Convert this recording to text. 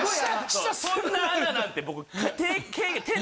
・そんな穴なんて僕。